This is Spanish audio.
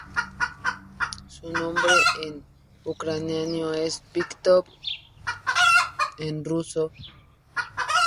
Su nombre en ucraniano es Віктор Федорович Янукович y en ruso Ви́ктор Фёдорович Януко́вич.